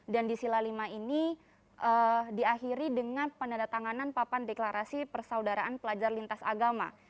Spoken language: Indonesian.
dan di sila lima ini diakhiri dengan penandatanganan papan deklarasi persaudaraan pelajar lintas agama